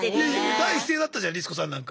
第一声だったじゃんリス子さんなんか。